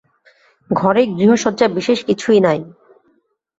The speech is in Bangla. ঘরে গৃহসজ্জা বিশেষ কিছুই নাই।